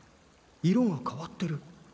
色が変わってる。